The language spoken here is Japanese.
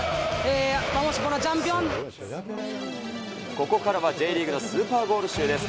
ここからはＪリーグのスーパーゴール集です。